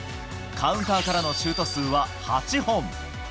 カウンターからのシュート数は８本。